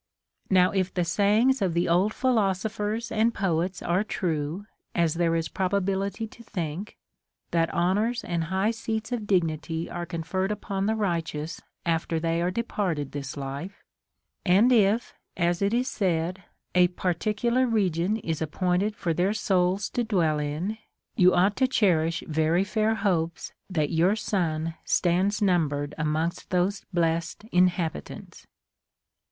Now if the sayings of the old philoso phers and poets are true, as there is probability to think, that honors and high seats of dignity are conferred upon the righteous after they are departed this life, and if, as it is said, a particular region is appointed for their souls to dΛvell in, you ought to cherish very fair hopes that your son stands numbered amongst those blest inhabitants.